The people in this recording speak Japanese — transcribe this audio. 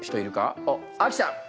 おっあきちゃん！